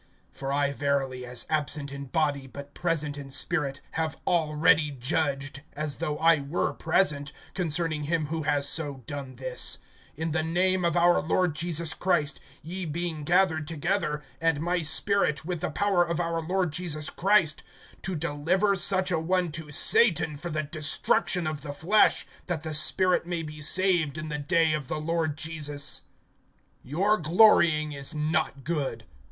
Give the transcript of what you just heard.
(3)For I verily, as absent in body but present in spirit, have already judged, as though I were present, concerning him who has so done this; (4)in the name of our Lord Jesus Christ, ye being gathered together, and my spirit, with the power of our Lord Jesus Christ, (5)to deliver such a one to Satan for the destruction of the flesh, that the spirit may be saved in the day of the Lord Jesus. (6)Your glorying is not good.